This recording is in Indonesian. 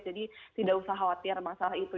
jadi tidak usah khawatir masalah itu